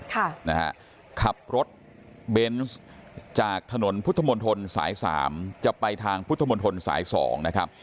ค่ะนะฮะขับรถเบนส์จากถนนพุทธมนตรสายสามจะไปทางพุทธมนตรสายสองนะครับ